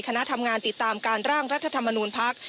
คณะทำงานติดตามการร่างรัฐธรรมนูลพัก